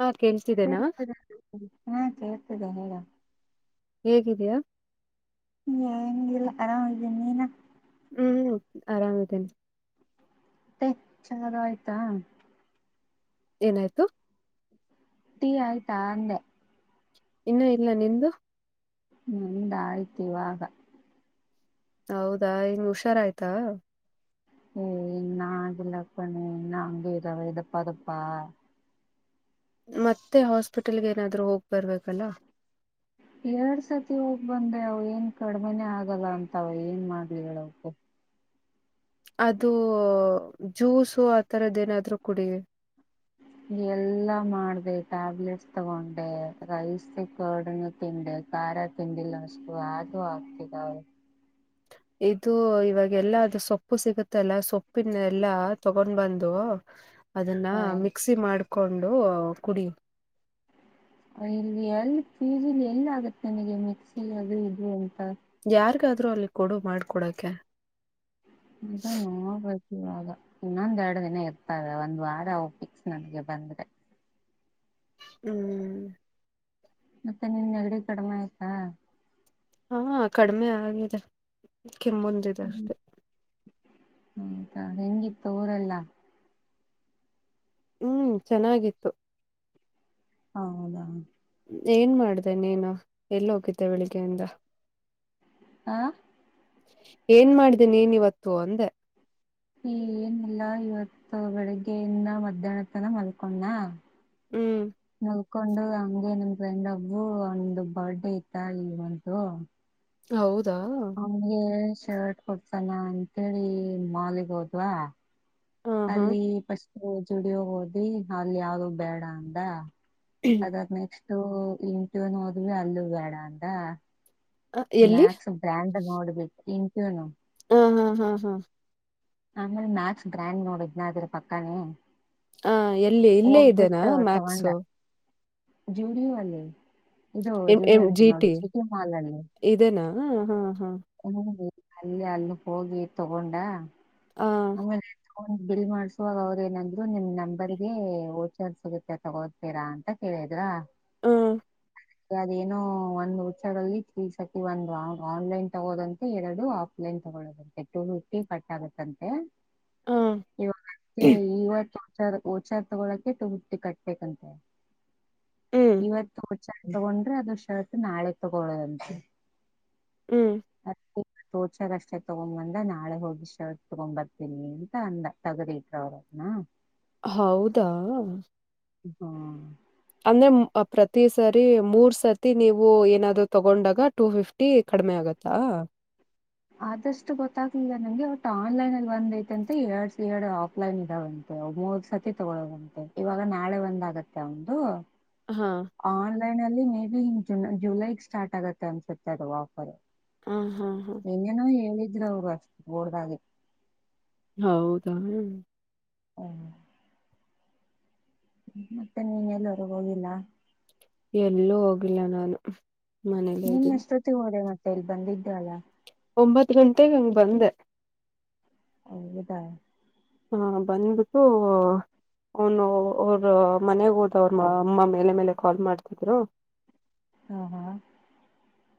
ಹಾ ಕೇಳ್ತಿದ್ದೇನಾ ಹಾ ಕೇಳ್ತಿದ್ದೇ ಹೇಳ ಹೇಗಿದೆಯಾ ಹೆಂಗಿಲ್ಲ ಆರಾಮ ಇದ್ದೀ ನೀನ ಹ್ಮ್ ಆರಾಮ್ ಇದ್ದೇನೆ ಮತ್ತೆ ಚೆನ್ನ ಆಯ್ತಾ ಏನಾಯ್ತು ಟ್ಟಿ ಆಯ್ತಾ ಅಂದೆ ಇನ್ನು ಇಲ್ಲ ನಿಂದು ನಂದು ಆಯ್ತು ಇವಾಗ ಹೌದಾ ಏನು ಹುಷಾರ್ ಆಯ್ತಾ ಇನ್ನು ಆಗಿಲ್ಲಪ್ಪ ಆಗಿದೆ ದಪ್ಪ ದಪ್ಪ ಮತ್ತೆ ಆಸ್ಮಿಟ್ಟರಿಗೆ ಹೋಗಬೇಕಲ್ಲ ಎರಡು ಸತಿ ಹೋಗ್ ಬಂದೆ ಅದೇನ್ ಕಡಿಮೆ ಆಗಲ್ಲ ಏನ್ ಮಾಡ್ಲಿ ಅದು ಜೂಸ್ ಆತರ ಏನಾದರೂ ಕೊಡಿ ಎಲ್ಲಾ ಮಾಡ್ದೆ ಟ್ಯಾಬ್ಲೆಟ್ಸ್ ತಂದೇ ರೈಸ್ ಕೊಡುತ್ತೇನೆ ಖಾರ ತಂಡಿಲ್ಲ ಅಷ್ಟು ಅದು ಆಗ್ತಿದ ಅವಿಗೆ ಇದು ಎಲ್ಲಾ ಅದು ಸೊಪ್ಪು ಸಿಗುತ್ತಾ ಅಪ್ಪನ ತಗೊಂಡು ಬಂದು ಹ [inaudible] ಅದನ್ನ ಮಿಕ್ಸಿ ಮಾಡಿಕೊಂಡು ಕುಡಿ ಇಲ್ಲಿ ಎಲ್ ಚೀಜ ಇಲ್ಲಿ ಎಲ್ಲಿ ಆಗತ್ತೆ ನನಗೆ ಮಿಕ್ಸಿ ಅದು ಇದು ಅಂತ ಯಾರ್ ಗುರು ಅಲ್ಲಿ ಕೂಡ ಮಾಡ್ಕೊಳಕ್ಕೆ ಅದ ನೋ ಹಾಗ ಇನ್ನೊಂದ ಎರಡು ದಿನ ಇರ್ತದೆ ಒಂದ್ ವಾರ ಫೀಸ್ ನನಗೆ ಬಂದ್ರೆ ಹ್ಮ್ ಮತ್ತೆ ನಿನ್ ನೆಗಡಿ ಕಡಿಮೆ ಆಯ್ತಾ ಹಾ ಕಡಿಮೆ ಆಗಿದೆ ಕೆಮ್ಮಂದಿದೆ ಅಷ್ಟೆ ಹ್ತಾ ಹೆಂಗಿತ್ತು ಊರೆಲ್ಲ ಹ್ಮ್ ಚೆನ್ನಾಗಿತ್ತು ಹ ಹೌದಾ ಏನ್ ಮಾಡ್ದೆ ನೀನು ಎಲ್ಲೋ ಹಿಂದೆ ಬೆಳಿಗ್ಗೆಯಿಂದ [inaudible] ಏನ್ ಮಾಡಿದೀನಿ ನೀನ್ ಇವತ್ತು ಅಂದ್ರೆ ಏನು ಇಲ್ಲ ಇವತ್ತು ಬೆಳಗ್ಗೆಯಿಂದ ಮಧ್ಯಾಹ್ನ ಮಲ್ಕೊಂಡು ಹ್ಮ್ ನಲ್ಕೊಂಡು ಹಮಗೆ ನಮ ಫ್ರೆಂಡ್ ಒಬ್ಬು ಒಂದು ಬರ್ಡೇ ಇವಂತ ಹೌದಾ ನಮಗೆ ಶರ್ಟ್ ಕೊಡ್ಸನ ಅಂತ ಹೇಳಿ ಮಾಡಿ ಹ ಹಾ ಅಲ್ಲಿ ಪಸ್ಟು ಜುಡೆಯಾಗಿ ಹೋದ್ವಿ ಅಲ್ಲಿ ಯಾವುದೂ ಬೇಡ ಅಂದ ಅದನಷ್ಟು ಇಂತಿಂ ಓದಿ ಅಲ್ಲಿ ಬೇಡ ಅಂದ ಎಲ್ಲಿ ಮ್ಯಾಕ್ಸ್ ಬ್ರ್ಯಾಂಡ್ ನೋಡ್ಬಿಟ್ಟು ಇನ್ಂತೂನು ಹಾ ಹಾ ಹಾ ಹಾ ಆಮೇಲೆ ಮ್ಯಾಕ್ಸ್ ಫ್ರೆಂಡ್ ನೋಡಿದ್ದೇನೆ ಅದರ ಪಕ್ಕನೆ ಹ ಎಲ್ಲಿ ಇಲ್ಲೇನಾ ಮ್ಯಾಕ್ಸ್ ಜೂಡಿವೆ ಇದು ಎಂ ಜಿಡಿ ಎಂ ಅಂತ ಜಿ ನೋಡಿ ಟಿ ಜಿಟಿ ಮಾಲ್ ಅಲ್ಲಿ ಇದೆನಾ ಹಾ ಹಾ ಹ ಅಲ್ಲಿ ಅಲ್ಲಿ ಹೋಗಿ ತಗೊಂಡ ಆ ಆಮೇಲೆ [unintelligible] ಅಂತ ಬಿಲ್ ಮಾಡಿಸುವಾಗ ಅವರು ಏನಂದ್ರು ನಿಮ್ ನಂಬರಿಗೆ ವಾಚಸ್ ಹೋಗುತ್ತೆ ಅಂತೀರಾ ಹೇಳಿದ್ರಾ ಹಾ ಅದೇಏನೋ ಒಂದು ಹಚ್ಚರಲ್ಲಿ ಸತಿ ಒಂದು ಆನ್ಲೈನ್ ತಗೋದಂತೆ ಎರಡು ಲೆ ತಗೊಳ್ಳದಂತೆ ಟು ಫಿಫ್ಟಿ ಪಟ್ ಆಗತ್ತಂತೆ ಹ್ಮ್ ವ ಇವತ್ತು ಕೊಚಾರ [inaudible] ತಗೊಳಕೆುಟ್ಟಿ ಕಟ್ಬೇಕಂತೆ ಹ್ಮ್ ಇವತ್ತು ಚಂದ ತಗೊಂಡ್ರೆ ಅದು ಶತ್ ನಾಳೆ ತಗೊಳದಂತೆ ಹ್ಮ್ ಹೆ ತೋಚಾಗಷ್ಟೇ ತಗೊ ಬಂದ ನಾಳೆ ಹೋಗಿಷ್ಟ ತಗೊಂಡ್ ಬರ್ತೀನಿ ಅಂತ ಅಂದ ತಗದಿಟ್ರು ಅವ್ರನ ಹೌದಾ ಹ್ಮ ಅಂದ್ರೆ ಪ್ರತಿ ಸರಿ ಮೂರ್ ಸರ್ತಿ ನೀವು ಏನಾದ್ ತಗೊಂಡಾಗ ಟು ಫಿಫ್ಟಿ ಟ್ಟಿ ಕಡಿಮೆ ಆಗತ್ತಾ ಆದಷ್ಟು ಗೊತ್ತಾಗ್ಲಿಲ್ಲ ನಂಗೆ ಒಟ್ ಆನ್ಲೈನ್ ಅಲ್ಲಿ ಬಂದೈತೆಂತ ಎಡ್ ಎರಡ್ ಆಫ್ಲೈನ್ ಇದ್ದಾವ ಮೂವರ್ ಸತಿ ತಗೊಳ್ಳದಂತೆ ಇವಾಗ ನಾಳೆ ಒಂದಾಗತ್ತೆ ಒಂದು ಹಾ ಆನ್ಲೈನ್ ಅಲ್ಲಿ ಮೇ ಬಿ ಹನ್ ಜುಲೈ ಸ್ಟಾರ್ಟ್ ಆಗತ್ತೆ ಅನ್ಸುತ್ತೆ ಅದು ಆಫರ್ ಹಾ ಹಾ ಹಾ ಇನ್ನೇನೋ ಹೇಳಿದ್ರರು ಅವ್ರು ಅಷ್ಟ ಓಡ್ದಾಗೆ ಹೌದ ಹ್ಮ ಮತ್ತೆ ನೀನ್ ಎಲ್ಲರ್ಗ ಹೋಗಿಲ್ಲ ಎಲ್ಲೂ ಹೋಗಿಲ್ಲ ನಾನು ಮನೇಲ್ಲೇ ನಿನ್ ಇದ್ದೀನಿ ಅಷ್ಟೊತ್ತಿಗೆ ಓದೆ ಮತ್ತೆ ಇಲ್ಲಿ ಬಂದಿದ್ದ ಅಲ್ಲ ಒಂಬತ್ತು ಗಂಟೆೆಗೆ ಹಂಗ್ ಬಂದೆ ಹೌದಾ ಹಾ ಬಂದ್ಬಿಟ್ಟು ಅವನು ಅವ್ರ ಮನೆಗ್ ಹೋದವರು ಅಮ್ಮ ಮೇಲೆ ಮೇಲೆ ಕಾಲ್ ಮಾಡ್ತಿದ್ರು ಹಾ ಹಾ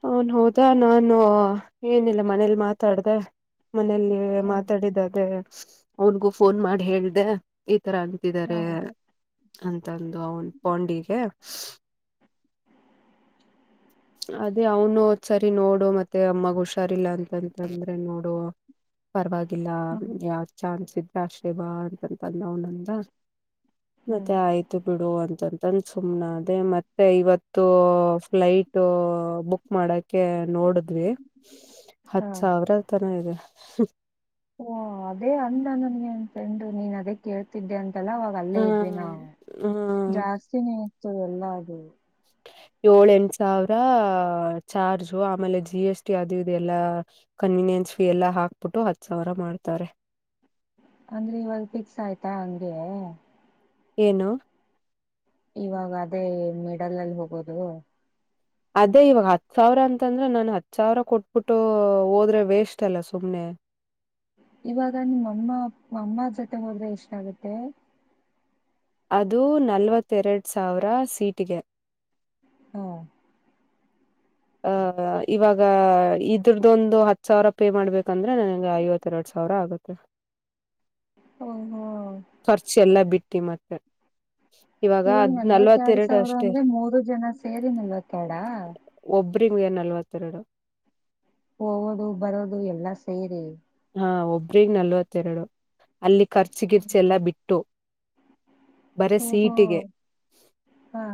ಅವನ್ ಹೋದ ನಾನು ಏನಿಲ್ಲ ಮನೇಲಿ ಮಾತಾಡ್ದ ಮನೇೆಯಲ್ಲಿ ಹ್ಮ್ ಮಾತಾಡಿದದೆ ಅವನ್ಗೂ ಫೋನ್ ಮಾಡಿ ಹೇಳ್ದೆ ಈ ತರ ಅಂತ [inaudible] ಹಾ ದ್ದಾರೆ ಅಂತಂದು ಅವನ್ ಪಾಂಡಿಗೆ ಅದೇ ಅವನು ಒದ್ಸರಿ ನೋಡು ಮತ್ತೆ ಅಮ್ಮಗ್ ಹುಷಾರಿಲ್ಲ ಅಂತಂತಂದ್ರೆ ನೋಡುುವ ಪರವಾಗಿಲ್ಲ ಹ್ಮ್ ಯಾವ ಚಾನ್ಸ್ ಇದ್ರೆ ಆಶೇವ ಅಂತಂತಂದ ನವ ನಂದ ಹ್ಮ್ ಮತ್ತೆ ಆಯ್ತು ಬಿಡು ಅಂತಂತಂದ ಸುಮ್ನೆ ಅದೇ ಮತ್ತೆ ಇವತ್ತು ಫ್ಲೈಟ್ ಬುಕ್ ಮಾಡಕ ನೋಡಿದ್ವಿ ಹಾ ಹತ್ ಸಾವಿರ ತನ ಇದೆ ಓ ಅದೇ ಅಂದ ನನ್ಗೆ ಏನ್ ಫ್ರೆಂಡು ನೀನ್ ಅದೇ ಕೇಳ್ತಿದ್ದೆ ಅಂತೆಲ್ಲ ಒಲ್ಲೇ ಇದ್ವಿ ನಾವು ಹ್ಮ ಜಾಸ್ತಿನೇ ಇತ್ತು ಎಲ್ಲ ಅದು ಏಳ ಎಂಟ ಸಾವಿರ ಚಾರ್ಜು ಆಮೇಲೆ ಜಿ ಎಸ್ ಟಿ ಅದು ಇದೆ ಎಲ್ಲಾ ಕನ್ವೀನಿಯನ್ಸ್ ಫೀ ಎಲ್ಲ ಹಾಕ್ಬಿಟ್ಟು ಹತ್ ಸಾವಿರ ಮಾಡ್ತಾರೆ ಅಂದ್ರೆ ಇವಾಗ ಫಿಕ್ಸ್ ಆಯ್ತಾ ಅಂಗಗೆ ಏನು ಇವಾಗ ಅದೇ ಮೆಡಲ್ ಅಲ್ಲಿ ಹೋಗೋದು ಅದೇ ಇವಾಗ ಹತ್ ಸಾವಿರ ಅಂತಂದ್ರೆ ನಾನ ಹತ್ ಸಾವಿರ ಕೊಟ್ಬಿಟ್ಟು ಹೋದ್ರೆ ವೇಸ್ಟ್ ಅಲ್ಲ ಸುಮ್ನೆ ಇವಾಗ ನಿಮ್ಮ ಅಮ್ಮ ಅಮ್ಮ ಜೊತೆ ಹೋದ್ರೆ ಎಷ್ಟ ಆಗುತ್ತೆ ಅದು ನಲ್ವತ್ತೆರಡು ಸಾವಿರ ಸೀಟಿಗೆ ಹಾ ಆಹ ಇವಾಗ ಇದ್ರದೊಂದು ಹತ್ತು ಸಾವಿರ ಪೇ ಮಾಡ್ಬೇಕಂದ್ರೆ ನನಗೆ ಐವತ್ತೆರಡು ಸಾವಿರ ಆಗುತ್ತೆ ಹ್ಮ ಹ್ಮ ಖರ್ಚ ಎಲ್ಲ ಬಿಟ್ಟು ಮತ್ತೆ ಇವಾಗ ಅದ್ ನಲ್ವತ್ತ ಎರಡ್ ನಲ್ವತ್ತೆರಡು ಸಾವಿರ ಅಷ್ಟೇ ಅಂದ್ರೆ ಮೂರು ಜನ ಸೇರಿ ನಲ್ವತ್ತ ಎಡ ಒಬ್ರಮಗೆ ನಲ್ವತ್ತೆರಡು ಹೋಗೋದು ಬರೋದು ಎಲ್ಲಾ ಸೇರಿ ಹಾ ಒಬ್ರಗ್ ನಲ್ವತ್ತೆರಡು ಅಲ್ಲಿ ಖರ್ಚು ಗಿರ್ಚ ಎಲ್ಲಾ ಬಿಟ್ಟು ಬರ ಓಹೋ ಸೀಟಿಗೆ ಹಾ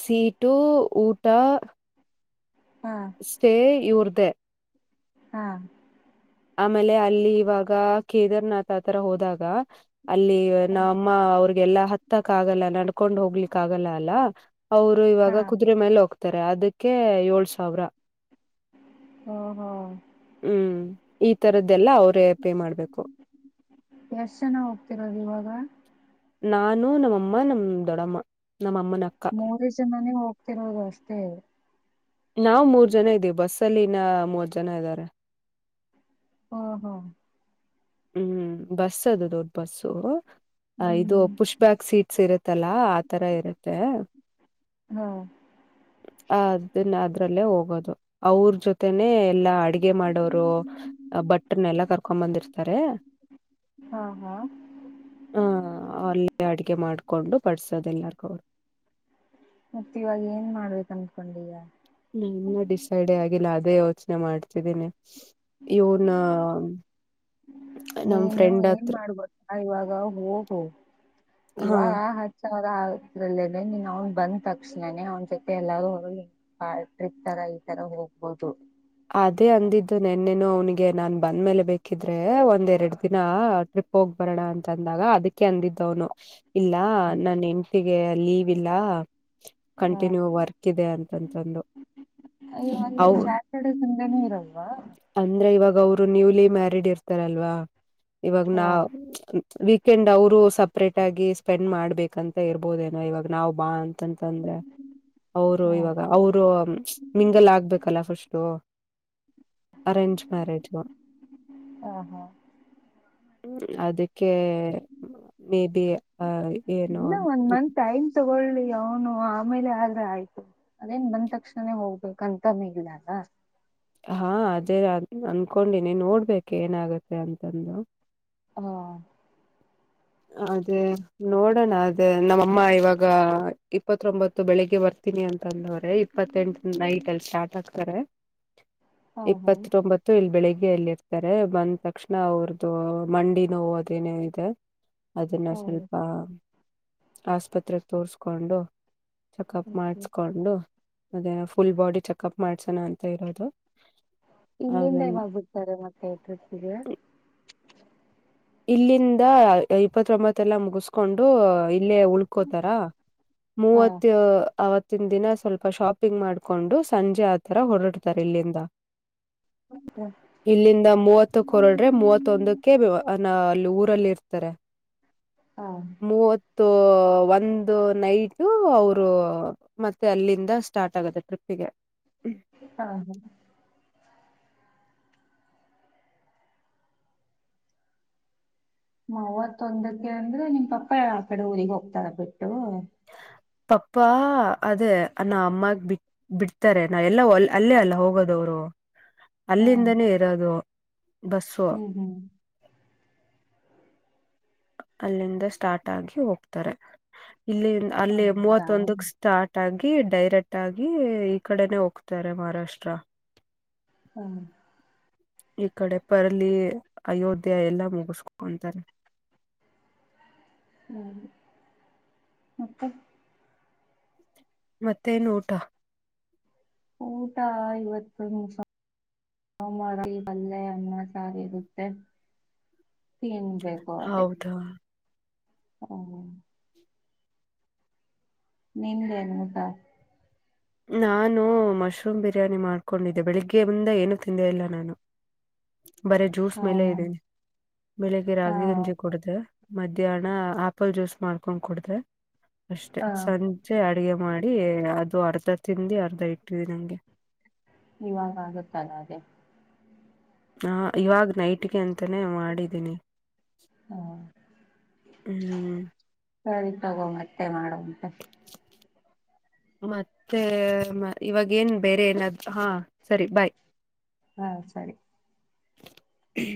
ಸೀಟು ಊಟ ಹಾ ಸ್ಟೇ ಇವ್ರ್ದ ಹಾ ಆಮೇಲೆ ಅಲ್ಲಿ ಇವಾಗ ಕೇದಾರ್ನಾಥ್ ತರ ಹೋದಾಗ ಅಲ್ಲಿ ನಾ ಹಾ ಅಮ್ಮ ಅವ್ರಿಗೆಲ್ಲಾ ಹ ಹತ್ತಕ್ ಆಗಲ್ಲ ನಡ್ಕೊಂಡ್ ಹೋಗ್ಲಿಕ್ ಆಗಲ್ಲ ಅಲ್ಲ ಅವ್ರು ಹಾ. ಇವಾಗ ಕುದು್ರೆ ಮೇಲೆ ಹೋಗ್ತ ಅದಕ್ಕೆ ಏಳ್ ಸಾವಿರ ಓಹೋ ಹ್ಮ್ ಈ ತರದ್ದೆಲ್ಲ ಅವ್ರೇ ಪೇ ಮಾಡ್ಬೇಕು ಎಷ್ಟ್ ಜನ ಹೋಗ್ತಿರದು ಇವಾಗ ನಾನು ನಮ್ಮಮ್ಮ ನಮ ದೊಡ್ಡಮ್ಮ ನಮ್ಮಅಮ್ಮನ ಅಕ್ಕ ನಾನೇ ಹೋಗ್ತಿರೋದು ಅಷ್ಟೇ ನಾವವು ಮೂರ್ ಜನ ಇದ್ದೀವಿ ಬಸ್ಸ ಅಲ್ಲಿನ ಮೂವರ್ ಜನ ಇದ್ದಾರೆ ಹಾ ಹಾ ಹ್ಮ್ ಬಸ್ ಅದು ದೊಡ್ ಬಸ್ಸು ಇದು ಹ್ಮ್ ಪುಷ್ ಬ್ಯಾಗ ಸೀಟ್ಸ್ ಇರುತ್ತಲ್ಲಾ ಆತರ ಇರುತ್ತೆ ಹಾ ಅ ಅದನ್ನ ಅದ್ರಲ್ಲೇ ಹೋಗೋದು ಅವ್ರ ಜೊತೆನೆೇ ಎಲ್ಲಾ ಅಡುಗೆ ಅಗೆ ಮಾಡೋರು ಬಟ್ಟ್ರನೆ ಎಲ್ಲಾ ಕರ್ಕೊಂಡ ಬಂದಿರ್ತಾರೆ ಹಾ ಹಾ ಹ ಅಲ್ಲಿ ಅಡಿಕೆ ಮಾಡ್ಕೊಂಡು ಪಡ್ಸೋದೆ ಎಲ್ಲಾರ್ಗೂ ಅವ ಮತ್ತ ಇವಾಗ ಏನ್ ಮಾಡ್ಬೇಕ ಅಂದಕೊಂಡ ಈಗ ನಾನು ಡಿಸೈಡ್ ಆಗಿಲ್ಲ ಅದೇ ಯೋಚನೆ ಮಾಡ್ತಿದ್ದೀನಿ ಇೋನ ನೀನು ಏನ್ ಮಾಡ್ಬೇಕ ಇವಾಗ ಹೋಗು ಹಾ ಇವಾಗ ಹ ಆ್ರಲ್ಲೇನೆ ನೀನ್ ಅವ್ನ್ ಬಂದ್ ತಕ್ಷಸ್ಣಾನನೆ ಅವ್ನ ಜೊತೆ ಎಲ್ಲಾರೂ ಹೊರ ಹಟ್ರಿಕ್ ತರ ಈ ತರ ಹೋಗ್ಬೋದು ಅದೇ ಅಂದಿದ್ದು ನೆನ್ನೆನು ಅವನಿಗೆ ನಾನ್ ಬಂದ್ಮೇಲೆ ಬೇಕಿದ್ರೆ ಒಂದ್ೆರಡು ದಿನ ಟ್ರಿಪ್ ಹೋಗ್ ಬರೋಣ ಅಂತ ಅಂದಾಗ ಅದಕ್ಕೆ ಅಂದಿದ್ದವನು ಇಲ್ಲ ನನ್ ಹೆಂತಿಿಗೆ ಲೀವ್ ಇಲ್ಲ ಕಂಟಿನ್ಯೂ ವರ್ಕ್ ಇದೆ ಅಂತಂತಂದು ಅ ಕಡೆ ಸಂಂದಣ ಇರಲ್ವಾ ಅಂದ್ರೆ ಇವಾಗ ಅವರು ನ್ಯೂಲಿ ಮ್ಯಾರಿೀಡ್ ಇರ್ತಾರಲ್ವಾ ಇವಾಗ ನಾ ವೀಕೆಂಡ್ ಅವರು ಸಪ್ರೇಟ್ ಆಗಿ ಸ್ಪೆಂಡ್ ಮಾಡ್ಬೇಕಂತ ಇರ್ಬೋದೇನೋ ಇವಾಗ ನಾ್ ಬಾ ಅಂತ ಂತಂದ್ರೆ ಅವರು ಹ ಇವಾಗ ಅವರು ಮಿಂಗಲ್ ಆಗ್ಬೇಕಲ್ಲ ಫುಶ ಅರೇಂಜ್ ಮ್ಯಾರೇಜ್ಾ ಹಾ ಹಾ ಹ್ಮ ಅದಕ್ಕೆ ಮೇ ಬಿ ಆ ಇಲ್ಲ ಒಂದ್ ಮಂತ್ ಐನ್ ತಗೊಳ್ಳಿ ಅವನು ಆಮೇಲೆ ಆದ್ರೆ ಆಯ್ತು ಅದೇನ್ ಬಂದ್ ತಕ್ಷಣನೇ ಹೋಗ್ಬೇಕಂತ ಮಗಡಲ್ಲ ಹಾ ಅದೇ ಅನ್ಕೊಂಡಿನಿ ನೋಡ್ಬೇಕು ಏನಾಗತ್ತೆ ಅಂತಂದು ಹಾ ಅದೇ ನೋಡೋಣ ಅದೇ ನಮ್ಮಅಮ್ಮ ಇವಾಗ ಇಪ್ಪತ್ತೊಂಬತ್ತು ಬೆಳಿಗ್ಗೆ ಬರ್ತ ತೀನಿ ಅಂತ ಅಂದವ್ರೆ ಇಪ್ಪತ್ತೆಂಟ ನೈಟ್ ಅಲ್ಲಿ ಸ್ಟಾರ್ಟ್ ಆಗ್ತಾರೆ ಹಾ ಹಾ ಇಪ್ಪತ್ ತೊಂಬತ್ತು ಇಲ್ಲಿ ಬೆಳಿಗ್ಗೆ ಎಲ್ಲಿರ್ತಾರೆ ಮ ತಕ್ಷಣ ಅವ್ರದ್ದು ಮಂಡಿ ನೋವು ಅದೇನೇ ಇದೆ ಅದನ್ನ ಹೌದು ಸ್ವಲ್ಪ ಆಸ್ಪತ್ರೆಗೆ ತೋರಿಸಕೊಂಡು ಚೆಕಪ್ ಓಕೆ ಮಾಡ್ಸ್ಕೊಂಡು ಅದೇ ಫುಲ್ ಬಾಡಿ ಚೆಕಪ್ ಮಾಡ್ಸೋಣ ಅಂತ ಇರೋದು ಇಲ್ಲಿಂದ ಅದನ್ ಇವ ಬಿಡ್ತಾರೆ ಮತ್ತೆ ಎತಿಗೆ ಇಲ್ಲಿಂದ ಇಪ್ಪತ್ೊಂಬತ್ತ ಎಲ್ಲಾ ಮುಗಿಸ್ಕೊಂಡು ಇಲ್ಲೇ ಉಳ್ಕೋತಾರ ಹಾ ಮೂವ ಇತ್ತಿನ ದಿನ ಸ್ವಲ್ಪ ಶಾಪಿಂಗ್ ಮಾಡ್ಕೊಂಡು ಸಂಜೆ ಆತರ ಹೊರಡ್ತಾರೆ ಇಲ್ಲಿಂದ ಇಲ್ಲಿಂದ ಮೂವತ್ತು ಕೊರಡ್ರೆ ಮೂವತ್ತೊಂದಕ್ಕೆ ವಿವ ಅ ನ ಅಲ್ಲಿ ಊರಲ್ಲಿ ಇರ್ತಾರೆ ಹಾ ಮೂವತ್ತು ಒಂದು ನೈಟ ಅವರು ಮತ್ತೆ ಅಲ್ಲಿಂದ ಸ್ಟಾರ್ಟ್ ಆಗುತ್ತೆ ಟ್ರಿಪ್ಪಿಗೆ ಹಾ ಹಾ ಮಾವತ್ ಒಂದಕ್ಕೆ ಅಂದ್ರೆ ನಿಮ್ ಪಪ್ಪ ಯ ಆ ಕಡೆ ಊರಿಗೆ ಹೋಗ್ತಾರ ಬಿಟ್ಟು ಪಪ್ಪಾ ಅದೇ ನ ಅಮ್ಮಾಗ ಬಿಟ್ಟ ಬಿಡ್ತಾರೆ ನಾವ ಎಲ್ಲ ಅಲ್ಲೇ ಅಲ್ಲ ಹೋಗೋದುವರು ಹಾ ಅಲ್ಲಿಂದನೇ ಇರೋದು ಬಸ್ಸು ಹ್ಮ್ ಹ್ಮ್ ಅಲ್ಲಿಂದ ಸ್ಟಾರ್ಟ್ ಆಗಿ ಹೋಗ್ತಾರೆ ಇಲ್ಲಿ ಅಲ್ಲಿ ಹೌದಾ ಮೂವತ್ತೊಂದ ಸ್ಟಾರ್ಟ್ ಆಗಿ ಡೈರೆಕ್ಟ್ ಆಗಿ ಈ ಕಡೆನೆೇ ಹೋಗ್ತಾರೆ ಮಹಾರಾಷ್ಟ್ರ ಹಾ ಈ ಕಡೆ ಪರ್ಲಿ ಅಯೋಧ್ಯ ಎಲ್ಲಾ ಮುಗಿಸಕಕೊಂತಾರೆ ಹ್ಮ ಮತ್ತೆ ಮತ್ತೆ ನೋಟ ಊಟ ಇಐವತ್ತು ನಿಮ್ಷ ನ ಮಾಡ ಈ ಪಲ್ಲೆ ಅನ್ನ ಸಾರಿ ಇರುತ್ತೆ ತಿನ್ಬೇಕು ಹ ಅದೇ ಹೌದಾ ಹ್ಮ ನಿ್ದೆ ಅನ್ ಊಟ ನಾನು ಮಶ್ರೂಮ್ ಬಿರಿಯಾನಿ ಮಾಡ್ಕೊಂಡಿದ್ದೆ ಬೆಳಿಗ್ಗೆ ಮುಂದ ಏನು ತಿಂದೆ ಇಲ್ಲ ನಾನು ಬರ ಜ್ಯೂಸ್ ಹಾ ಮೇಲೆ ಇದದೆೀನಿ ಬೆಳಗ್ಗೆ ಹಾ ರಾಗಲಿ ಗಂಜೆ ಕುಡ್ದ ಮಧ್ಯಾಹ್ನ ಆಪಲ್ ಜ್ಯೂಸ್ ಮಾಡ್ಕೊಂಡ್ ಕುಡ್ದ ಅಷ್ಟೆ ಹಾ ಸಂಜ ಚೆ ಅಡಗೆ ಮಾಡಿ ಅದು ಅರ್ಧ ತಿಿಂದಿ ಅರ್ಧ ಇಟ್ಟಿದಿ ನಂಗೆ ಇವಾಗ ಆಗುತ್ತಲ್ಲ ಅದೇ ಹಾ ಇವಾಗ ನೈಟ್ಗೆ ಅಂತಾನೇ ಮಾಡಿದ್ದೀನಿ ಹಾ ಹ್ಮ್ ಸರಿ ತಗೋ ಮತ್ತೆ ಮಾಡುವಂತೆ ಮತ್ತೆ ಇವಾಗೇಏನ್ ಬೇರೆ ಏನಾದ ಹಾ ಸರಿ ಬಾಯ್ ಹಾ ಸರಿ ಹ್ಮ